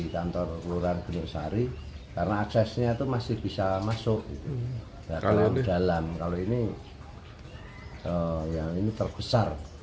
kantor kelurahan bulursari karena aksesnya itu masih bisa masuk ke dalam kalau ini yang ini terbesar